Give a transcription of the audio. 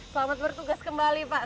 selamat bertugas kembali pak